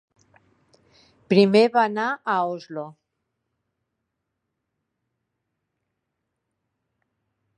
Primer va anar a Oslo.